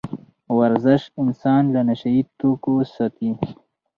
ورزش انسان له نشه يي توکو ساتي.